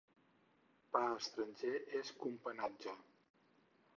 Pa estranger és companatge.